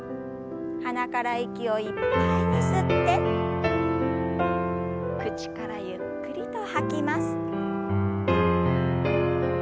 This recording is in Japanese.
鼻から息をいっぱいに吸って口からゆっくりと吐きます。